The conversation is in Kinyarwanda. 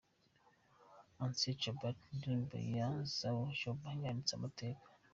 Ancien Combattant’, indirimbo ya Zao Zoba yanditse amateka.